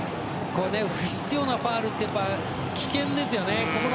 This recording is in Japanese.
不必要なファウルって危険ですよね。